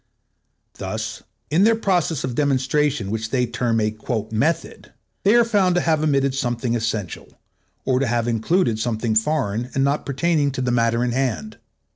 Thus in their process of demonstration which they term a "method," they are found to have omitted something essential, or to have included something foreign and not pertaining to the matter in hand.